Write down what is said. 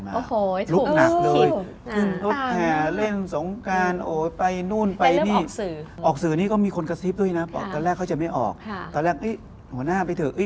แต่จะดังเกดไหมว่ารุงป้อมออกสื่อเยอะกว่าลุงตู่